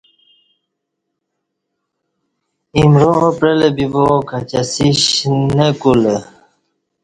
ایمرا پعلہ بیبا کچی اسیش نہ کو لہ